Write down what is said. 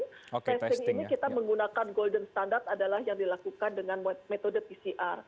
testing ini kita menggunakan golden standard adalah yang dilakukan dengan metode pcr